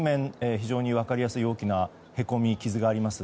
非常に分かりやすい大きなへこみ傷があります。